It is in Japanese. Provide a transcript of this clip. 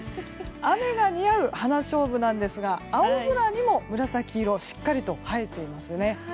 雨が似合うハナショウブなんですが青空にも紫色しっかりと映えていますね。